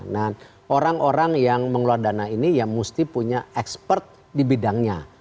nah orang orang yang mengeluarkan dana ini ya mesti punya expert di bidangnya